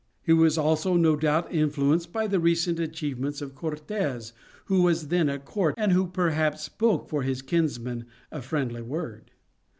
He was also, no doubt influenced by the recent achievements of Cortes, who was then at court, and who perhaps spoke for his kinsman a friendly word.